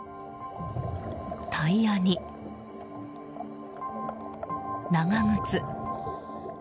タイヤに、長靴。